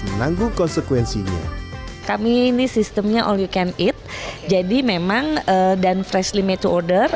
menanggung konsekuensinya kami ini sistemnya all you can eat jadi memang dan freshly mate to order